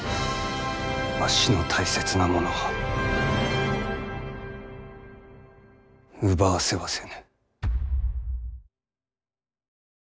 わしの大切なものを奪わせはせぬ。